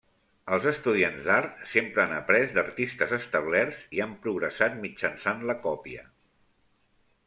Els estudiants d'art sempre han après d'artistes establerts i han progressat mitjançant la còpia.